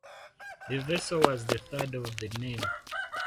The vessel was the third of the name.